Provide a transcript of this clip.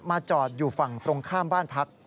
จอดอยู่ฝั่งตรงข้ามบ้านพัก